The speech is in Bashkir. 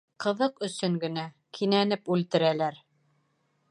Ҡыҙыҡ өсөн генә... кинәнеп үлтерәләр.